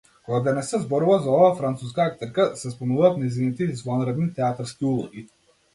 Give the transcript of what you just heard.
Кога денес се зборува за оваа француска актерка, се спомнуваат нејзините извонредни театарски улоги.